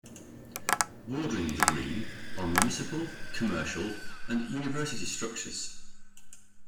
Bordering the Green are municipal, commercial and university structures.